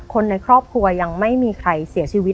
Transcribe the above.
คนในครอบครัวยังไม่มีใครเสียชีวิต